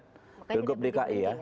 makanya tidak berdiki berdiki ya